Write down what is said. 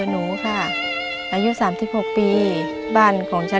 เมื่อ